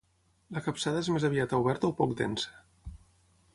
La capçada és més aviat oberta o poc densa.